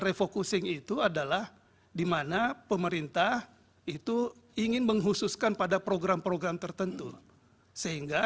refocusing itu adalah dimana pemerintah itu ingin menghususkan pada program program tertentu sehingga